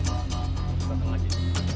kita tengah lagi